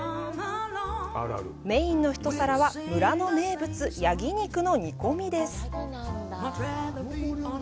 メインの一皿は、村の名物、ヤギ肉の煮込みです。